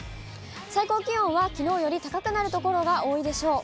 最高気温はきのうより高くなる所が多いでしょう。